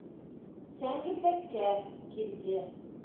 Сәңгелдәккә килде.